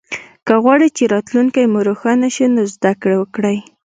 که غواړی چه راتلونکې مو روښانه شي نو زده ګړې وکړئ